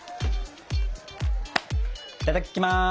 いただきます！